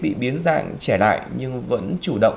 bị biến dạng trẻ lại nhưng vẫn chủ động